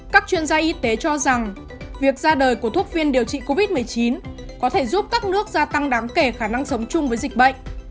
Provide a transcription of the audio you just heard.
các chuyên gia y tế cho rằng việc ra đời của thuốc phiên điều trị covid một mươi chín có thể giúp các nước gia tăng đáng kể khả năng sống chung với dịch bệnh